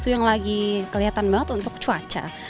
itu yang lagi kelihatan banget untuk cuaca